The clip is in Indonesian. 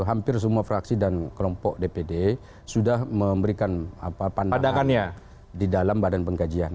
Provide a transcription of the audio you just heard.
hampir semua fraksi dan kelompok dpd sudah memberikan pandangan di dalam badan pengkajian